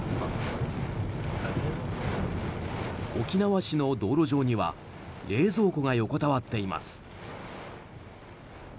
沖縄市の道路上には冷蔵庫が横たわっています。